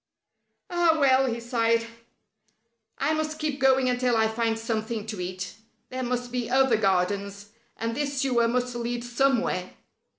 "Ah, well!" he sighed. "I must keep going until I find something to eat. There must be other gardens, and this sewer must lead somewhere."